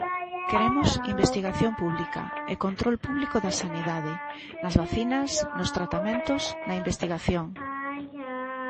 Queremos investigación pública e control público da sanidade: nas vacinas, nos tratamentos, na investigación.